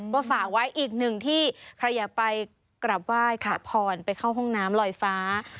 ก็ฝากไว้อีกหนึ่งที่ใครอยากไปกลับไหว้ขอพรไปเข้าห้องน้ำลอยฟ้า